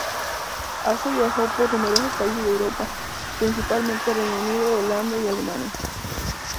Arce viajó por numerosos países de Europa, principalmente Reino Unido, Holanda y Alemania.